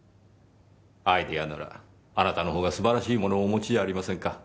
アイデアならあなたのほうが素晴らしいものをお持ちじゃありませんか。